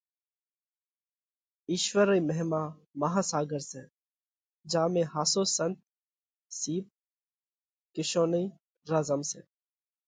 اِيشوَر رئِي مهما ماها ساڳر سئہ۔ جيا ۾ ۿاسو سنت سِيپ (ڪِيشونئِي) را زم سئہ۔